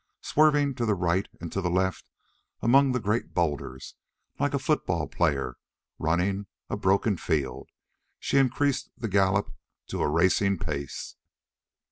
Swerving to right and to left among the great boulders, like a football player running a broken field, she increased the gallop to a racing pace.